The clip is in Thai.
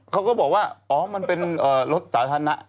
เขาก็บอกว่าอ๋อมันเป็นรถสาธารณะ